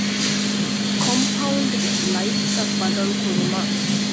ކޮމްޕައުންޑްގެ ލައިޓްތައް ބަދަލުކުރުމަށް